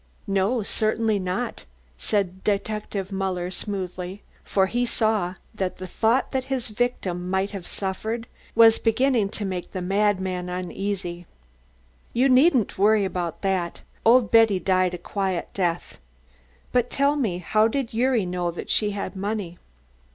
"No, certainly not," said Muller soothingly, for he saw that the thought that his victim might have suffered was beginning to make the madman uneasy. "You needn't worry about that. Old Betty died a quiet death. But tell me, how did Gyuri know that she had money?"